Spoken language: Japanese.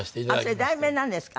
それ題名なんですか？